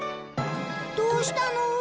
どうしたの？